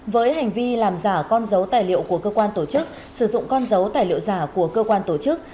với hành vi làm giả con dấu tài liệu của cơ quan tổ chức sử dụng con dấu tài liệu giả của cơ quan tổ chức